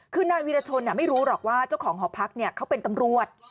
คือนายวีรชนไม่รู้หรอกว่าเจ้าของหอพักเขาเป็นตำรวจ